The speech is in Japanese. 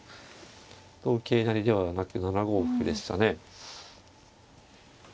同桂成ではなく７五歩でしたね。